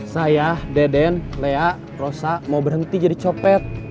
saya deden lea rosa mau berhenti jadi copet